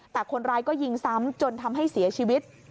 แต่คนร้ายก็ยิงซ้ำจนทำให้เสียชีวิต